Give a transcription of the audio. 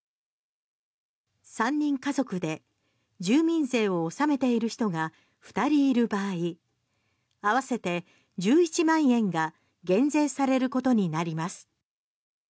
３人家族で、住民税を納めている人が２人いる場合合わせて１１万円が減税されることになります。